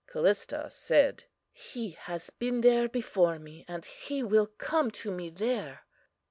"CALLISTA said: He has been there before me, and He will come to me there.